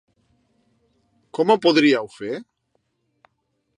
Com ho podríeu fer?